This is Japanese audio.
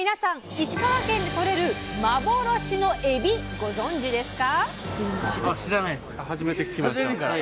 石川県でとれる幻のエビご存じですか？